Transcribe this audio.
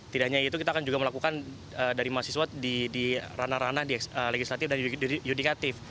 tidak hanya itu kita akan juga melakukan dari mahasiswa di ranah ranah di legislatif dan yudikatif